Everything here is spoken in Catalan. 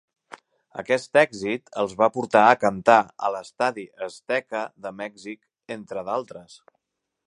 Aquest èxit els va portar a cantar a l'Estadi Azteca de Mèxic, entre d'altres.